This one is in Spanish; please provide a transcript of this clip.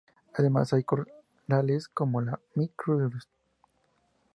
Además, hay corales como la "Micrurus" sp.